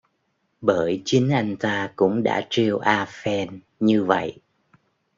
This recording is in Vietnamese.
Bởi chính anh ta cũng đã trêu a phen như vậy